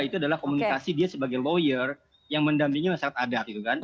itu adalah komunikasi dia sebagai lawyer yang mendampingi masyarakat adat